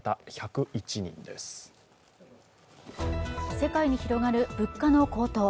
世界に広がる物価の高騰。